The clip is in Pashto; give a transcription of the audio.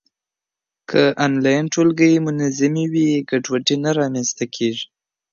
که انلاین ټولګی منظم وي، ګډوډي نه رامنځته کېږي.